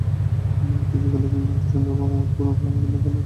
এমন একটি বিকেল কিংবা একটি সন্ধ্যার আবাহন কোনো সামান্য আকাঙ্ক্ষার ছিল না।